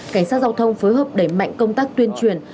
cảnh sát giao thông phối hợp đẩy mạnh công tác tuyên truyền